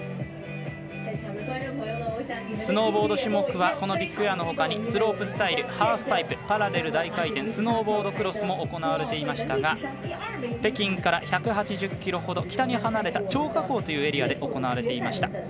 スノーボード種目はこのビッグエアのほかにスロープスタイル、ハーフパイプパラレル大回転スノーボードクロスも行われていましたが北京から１８０ｋｍほど北に離れた張家口というエリアで行われていました。